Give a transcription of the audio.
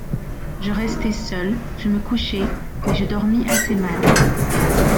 Je restai seul, je me couchai, mais je dormis assez mal.